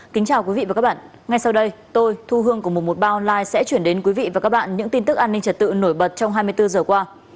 kính chào quý vị và các bạn ngay sau đây tôi thu hương của một trăm một mươi ba online sẽ chuyển đến quý vị và các bạn những tin tức an ninh trật tự nổi bật trong hai mươi bốn giờ qua